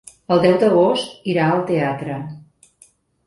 El deu d'agost irà al teatre.